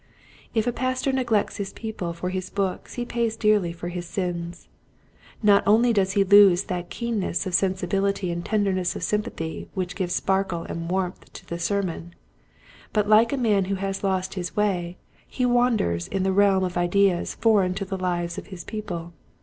If a pastor neglects his people for his books he pays dearly for his sins. Not only does he lose that keenness of sensi bility and tenderness of sympathy which give sparkle and warmth to the sermon, but like a man who has lost his way he wanders in a realm of ideas foreign to the lives of his people.